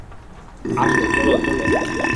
আসো, চলো, চলো।